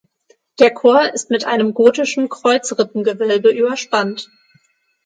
Der Chor ist mit einem gotischen Kreuzrippengewölbe überspannt.